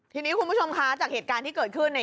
ทีนี้คุณผู้ชมคะจากเหตุการณ์ที่เกิดขึ้นเนี่ย